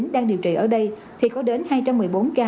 đang điều trị ở đây thì có đến hai trăm một mươi bốn ca